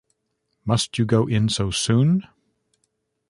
Must you go in so soon?